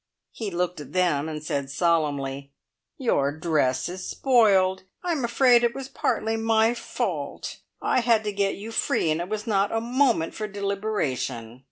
He looked at them and said solemnly: "Your dress is spoiled! I'm afraid it was partly my fault. I had to get you free, and it was not a moment for deliberation.